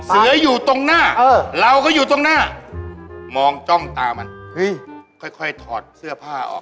เสืออยู่ตรงหน้าเราก็อยู่ตรงหน้ามองจ้องตามันเฮ้ยค่อยถอดเสื้อผ้าออก